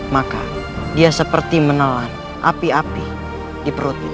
maka dia seperti menelan api api di perutnya